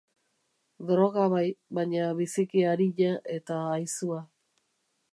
Droga bai, baina biziki arina eta haizua.